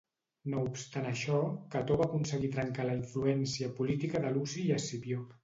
No obstant això, Cató va aconseguir trencar la influència política de Luci i Escipió.